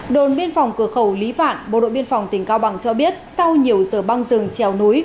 đồn biên phòng cửa khẩu lý vạn bộ đội biên phòng tỉnh cao bằng cho biết sau nhiều giờ băng rừng trèo núi